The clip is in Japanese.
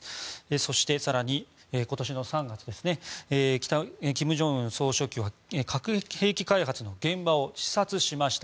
そして更に、今年の３月金正恩総書記は核兵器開発の現場を視察しました。